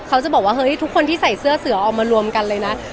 เขาจะบอกว่าเฮ้ยทุกคนที่ใส่เสื้อเสือเอามารวมกันเลยนะ